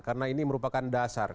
karena ini merupakan dasar